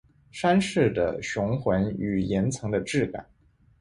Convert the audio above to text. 山势的雄浑与岩层的质感